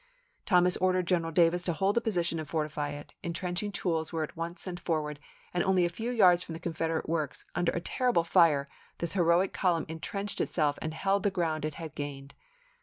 Thomas ordered General Davis to hold the position and fortify it ; intrenching tools were at once sent forward, and only a few yards from the Confederate works, under a terrible fire, this heroic column intrenched itself and held the ground it had gained.